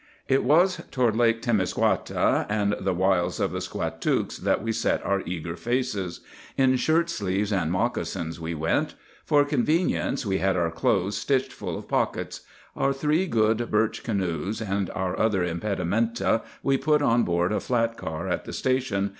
It was toward Lake Temiscouata and the wilds of the Squatooks that we set our eager faces. In shirt sleeves and moccasins we went. For convenience we had our clothes stitched full of pockets. Our three good birch canoes and our other impedimenta we put on board a flat car at the station.